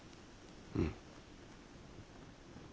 うん。